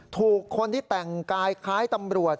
ถูกคนที่แต่งกายคล้ายตำรวจ